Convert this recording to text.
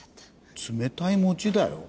冷たいもちだよ。